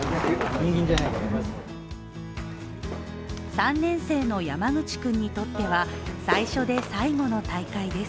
３年生の山口君にとっては最初で最後の大会です。